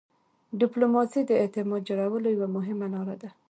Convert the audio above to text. ډيپلوماسي د اعتماد جوړولو یوه مهمه لار ده.